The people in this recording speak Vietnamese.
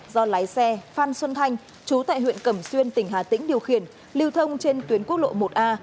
do lái xe phan xuân thanh chú tại huyện cẩm xuyên tỉnh hà tĩnh điều khiển lưu thông trên tuyến quốc lộ một a